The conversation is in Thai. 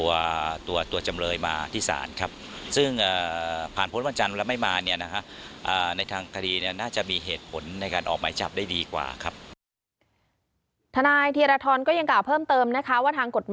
ว่าทางกฎหมายและทางการออกหมายเรียก